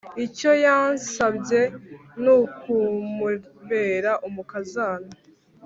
icyo yansabye nukumubera umukazana